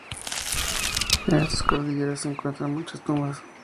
En estas cordilleras se encuentran muchas tumbas.